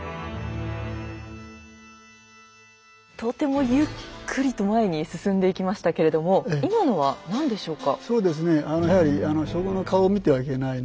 とてもゆっくりと前に進んでいきましたけれども今のは何でしょうか？